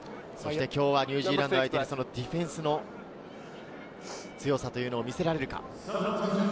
今日はニュージーランド相手にディフェンスの強さを見せられるか。